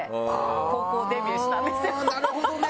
なるほどね！